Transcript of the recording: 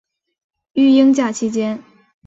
育婴假期间